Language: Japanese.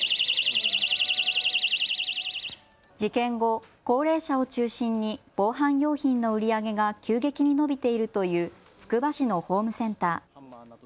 事件後、高齢者を中心に防犯用品の売り上げが急激に伸びているというつくば市のホームセンター。